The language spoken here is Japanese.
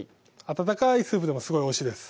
温かいスープでもすごいおいしいです